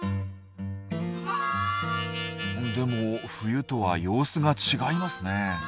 でも冬とは様子が違いますね。